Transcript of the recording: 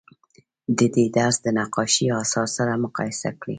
د دې درس د نقاشۍ اثار سره مقایسه کړئ.